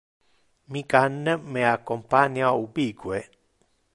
Mi can me accompania ubique.